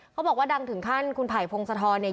บอกว่าดังถึงขั้นคุณไผ่พงศธรเนี่ย